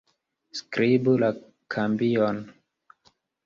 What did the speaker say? Skribu la kambion.